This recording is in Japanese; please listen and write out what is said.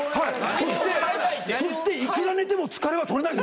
そしていくら寝ても疲れは取れないぞ。